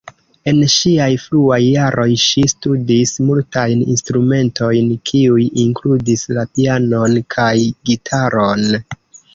En ŝiaj fruaj jaroj ŝi studis multajn instrumentojn, kiuj inkludis la pianon kaj gitaron.